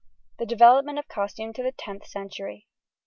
THE DEVELOPMENT OF COSTUME TO THE TENTH CENTURY.